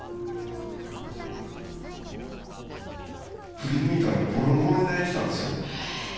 振り向いたらボロボロに泣いてたんですよ。